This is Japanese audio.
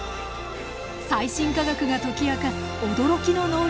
最新科学が解き明かす驚きの能力！